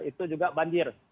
itu juga banjir